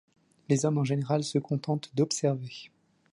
Les hommes en général se contentent d'observer.